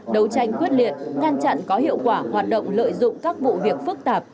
đấu tranh quyết liệt ngăn chặn có hiệu quả hoạt động lợi dụng các vụ việc phức tạp